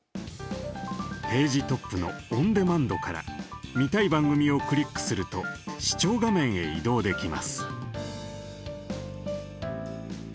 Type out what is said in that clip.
ページトップのオンデマンドから見たい番組をクリックすると視聴画面へ移動できます。